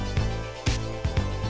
kita bikinnya banyak juga